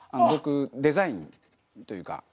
僕デザインというか。